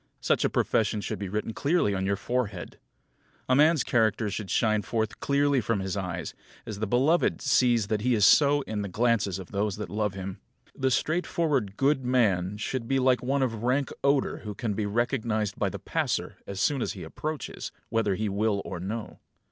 Such a profession should be written clearly on your forehead. A man's character should shine forth clearly from his eyes; as the beloved sees that he is so in the glances of those that love him. The straightforward, good man should be like one of rank odour who can be recognised by the passer by as soon as he approaches, whether he will or no.